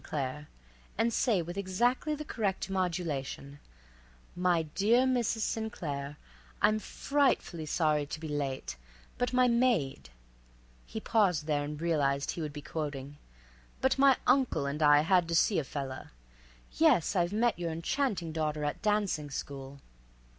Claire, and say with exactly the correct modulation: "My dear Mrs. St. Claire, I'm frightfully sorry to be late, but my maid"—he paused there and realized he would be quoting—"but my uncle and I had to see a fella—Yes, I've met your enchanting daughter at dancing school."